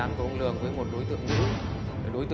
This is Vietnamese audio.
nóng nảy về tối